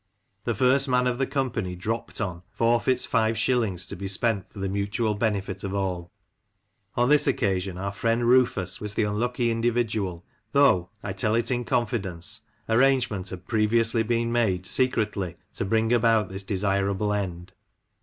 The first man of the company " dropped on '* forfeits five shillings to be spent for the mutual benefit of all. On this occasion our fiiend Rufus was the unlucky individual, though — I tell it in confidence — arrangement had previously been made, secretly, to bring about this desirable end.